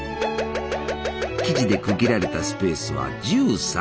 生地で区切られたスペースは１３！